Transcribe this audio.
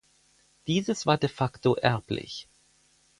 Dieses war de facto erblich.